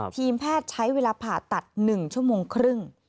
ทีมแพทย์ใช้เวลาผ่าตัด๑ชั่วโมงครึ่ง